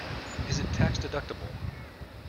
Is it tax-deductible?